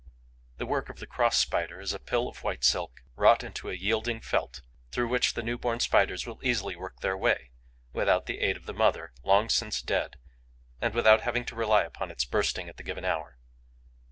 The work of the Cross Spider is a pill of white silk, wrought into a yielding felt, through which the new born Spiders will easily work their way, without the aid of the mother, long since dead, and without having to rely upon its bursting at the given hour.